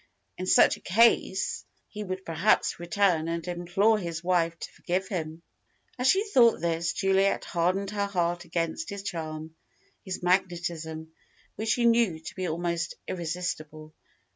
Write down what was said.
In such a case, he would perhaps return and implore his wife to forgive him. As she thought this, Juliet hardened her heart against his charm, his magnetism which she knew to be almost irresistible.